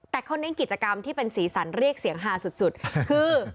แต่เขาเน้นกิจกรรมที่เป็นสีสันเรียกเสียงฮาสุดคือ